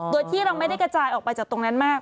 โดยที่เราไม่ได้กระจายออกไปจากตรงนั้นมาก